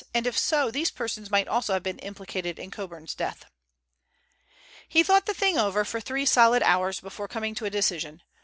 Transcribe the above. And if so, these persons might also have been implicated in Coburn's death. He thought over the thing for three solid hours before coming to a decision.